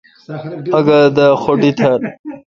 آگہ دا خوٹی تھال۔